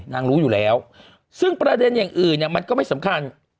รู้อยู่แล้วซึ่งประเด็นอย่างอื่นเนี่ยมันก็ไม่สำคัญ